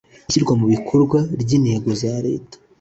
ishyirwa mu bikorwa ry intego za leta